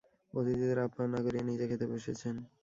অতিথিদের আপ্যায়ন না করিয়ে নিজে খেতে বসেছেন।